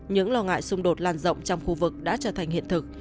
những lo ngại xung đột lan rộng trong khu vực đã trở thành hiện thực